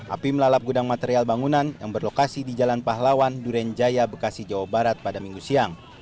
api melalap gudang material bangunan yang berlokasi di jalan pahlawan durenjaya bekasi jawa barat pada minggu siang